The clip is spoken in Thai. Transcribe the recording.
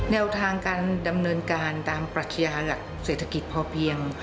แนวทางการดำเนินการตามปรัชญาหลักเศรษฐกิจพอเพียง